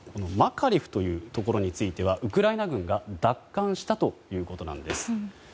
マカリフというところについてはウクライナ軍が奪還したということです。